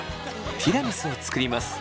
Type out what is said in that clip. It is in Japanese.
ティラミスを作ります。